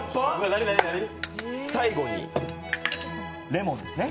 最後にレモンですね。